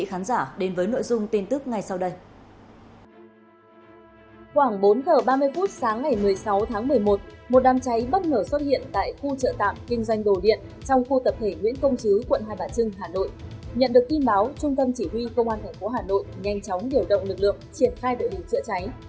nhận được tin báo trung tâm chỉ huy công an thành phố hà nội nhanh chóng điều động lực lượng triển khai đội hữu trợ cháy